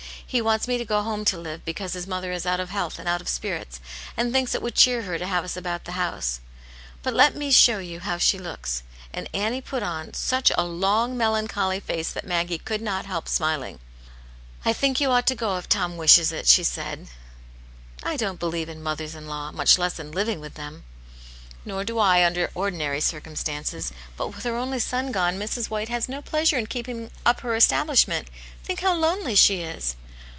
He wants me to go home to live, because his mother is out of health and out of spirits, and thinks it would cheer her to have us about the house. But let me show you bow she looks." Atvd KtixCx^ ^\\\. o\v ^mOcl ^. Aunt Jane's Hero, 183 long, melancholy face that Maggie could not help smiling. " I think you ought to go if Tom wishes it," she said. " I don't believe in mothers in law, much less in living with them." "Nor do I, under ordinary circumstances. But with her only son gone, Mrs. White has no pleasure in keeping up her establishment. Think how lonely she is